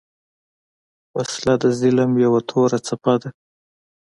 وسله د ظلم یو توره څپه ده